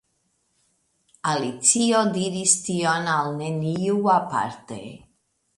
Alicio diris tion al neniu aparte.